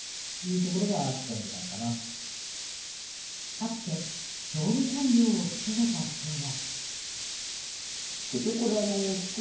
かつて総務官僚を務めた人は。